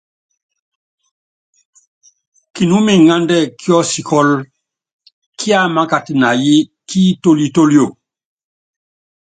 Kinúmiŋándɛ́ kiɔ́sikɔ́lɔ, kiámákat na yí ki itólítólio.